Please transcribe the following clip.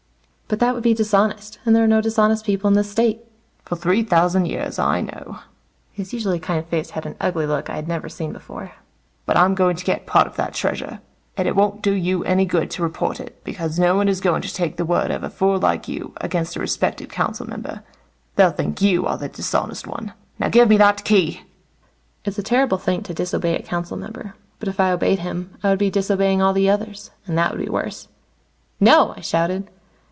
"But that would be dishonest. And there are no dishonest people in the State." "For three thousand years. I know." His usually kind face had an ugly look I had never seen before. "But I'm going to get part of that Treasure. And it won't do you any good to report it, because no one is going to take the word of a fool like you, against a respected council member. They'll think you are the dishonest one. Now, give me that Key!" It's a terrible thing to disobey a council member. But if I obeyed him, I would be disobeying all the others. And that would be worse. "No!" I shouted.